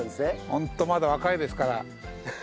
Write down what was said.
ホントまだ若いですから。